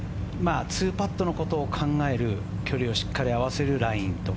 ２パットのことを考える距離をしっかり合わせるラインと